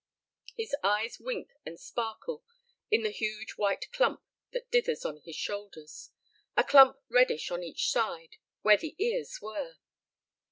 His eyes wink and sparkle in the huge white clump that dithers on his shoulders a clump reddish on each side, where the ears were.